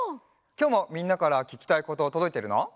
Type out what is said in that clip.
きょうもみんなからききたいこととどいてるの？